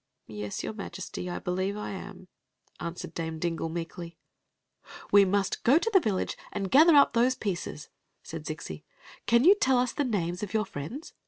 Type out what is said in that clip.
"Yes, your Majesty; I believe I am," answered Dame Dingle, meekly. " We must go to the v^is^ and gather up tktfe pie^" ^ttd Zml "Oei yon tell t» die nmnes of your friends?